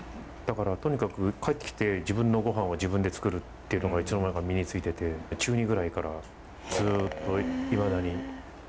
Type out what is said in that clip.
だからとにかく帰ってきて自分のごはんは自分で作るっていうのがいつの間にか身についてて中二ぐらいからずっといまだに。